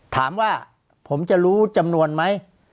ถามว่าผมจะรู้จำนวนไหม